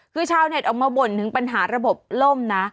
คือชาวเน็ตออกมาบ่นถึงปัญหาระบบล่มนะ